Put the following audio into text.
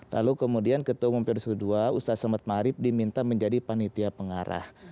lalu kemudian ketua umum dua ratus dua belas ustaz sermat marif diminta menjadi panitia pengarah